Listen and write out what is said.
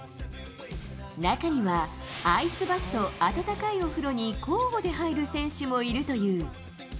中には、アイスバスと温かいお風呂に交互で入る選手もいるという。